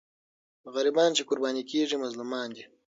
غریبان چې قرباني کېږي، مظلومان دي.